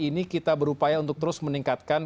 ini kita berupaya untuk terus meningkatkan